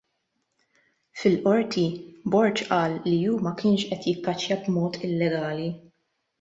Fil-Qorti Borg qal li hu ma kienx qed jikkaċċja b'mod illegali.